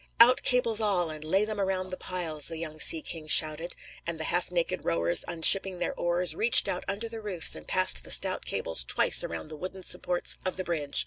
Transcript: "Out cables, all, and lay them around the piles," the young sea king shouted; and the half naked rowers, unshipping their oars, reached out under the roofs and passed the stout cables twice around the wooden supports of the bridge.